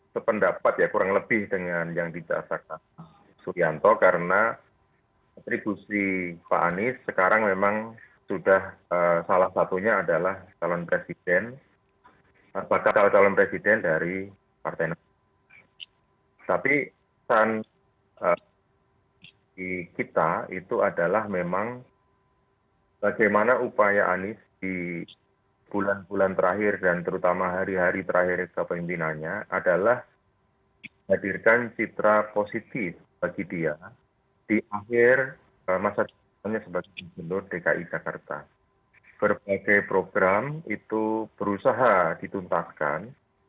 sependapat ya kurang lebih dengan yang didasarkan